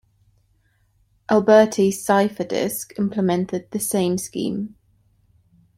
Alberti's cipher disk implemented the same scheme.